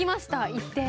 行って。